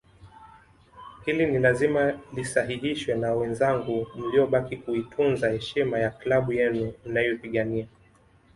Hili ni lazima lisahihishwe na wenzangu mliobaki kuitunza heshima ya klabu yenu mnayoipigania